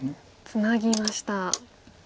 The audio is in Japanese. ツナぎました。